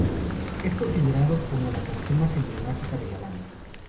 Es considerado como la canción más emblemática de la banda.